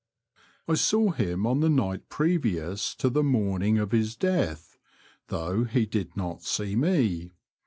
I saw him on the night previous to the morning of his death, though he did not see me.